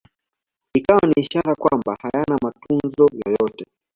Ikiwa ni ishara kwamba hayana matunzo yoyote